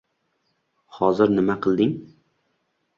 — Hozir nima qilding?